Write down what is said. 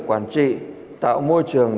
quản trị tạo môi trường